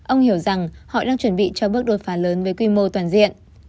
ông hiểu rằng họ đang chuẩn bị cho bước đột phá lớn với quy mô toàn diện